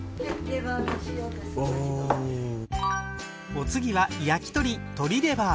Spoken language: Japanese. お次は焼き鳥鳥レバー